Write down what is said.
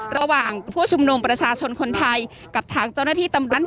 ระหว่างผู้ชุมนุมประชาชนคนไทยกับทางเจ้าหน้าที่ตำรวจ